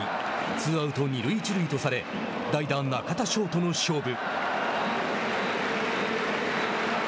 ツーアウト、二塁一塁とされ代打、中田翔との勝負。